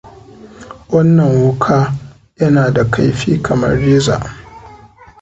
Wannan wuka yana da kaifi kamar reza.